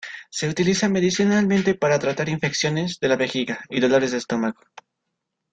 Se utiliza medicinalmente para tratar infecciones de la vejiga y dolores de estómago.